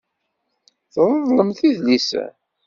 Treḍḍlemt idlisen.